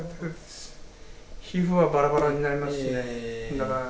皮膚はバラバラになりますしね。